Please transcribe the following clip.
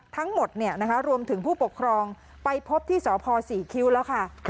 ทั้งหมดรวมถึงผู้ปกครองไปพบที่สพศรีคิ้วแล้วค่ะ